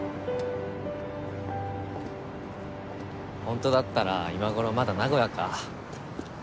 本当だったら今頃まだ名古屋か。